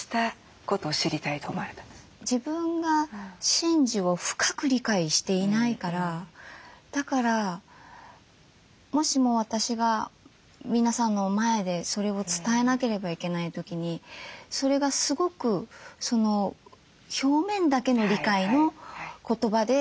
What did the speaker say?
自分が神事を深く理解していないからだからもしも私が皆さんの前でそれを伝えなければいけない時にそれがすごく表面だけの理解の言葉で説明してしまう。